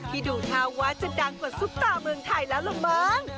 ที่ดูธาวะจะดังกว่าซุปตาเมืองไทยแล้วหรือมั้ง